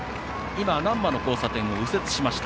難波の交差点を右折しました。